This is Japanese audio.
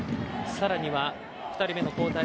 更には２人目の交代